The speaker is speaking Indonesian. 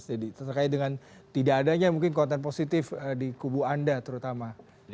jadi terserah kayak dengan tidak adanya mungkin konten positif di kubu anda terutama